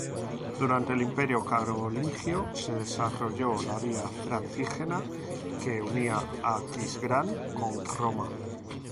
Durante el Imperio carolingio se desarrolló la Vía francígena, que unía Aquisgrán con Roma.